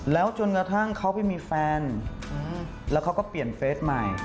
แล้วจนกระทั่งเขาไปมีแฟนแล้วเขาก็เปลี่ยนเฟสใหม่